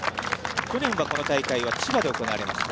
去年はこの大会は千葉で行われました。